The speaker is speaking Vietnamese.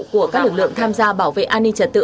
của các lực lượng tham gia bảo vệ an ninh trật tự